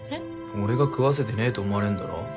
俺が食わせてねぇと思われんだろ。